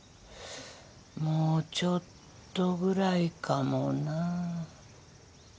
もうちょっとくらいかもな。